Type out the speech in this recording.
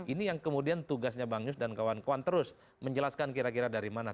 ini yang kemudian tugasnya bang yus dan kawan kawan terus menjelaskan kira kira dari mana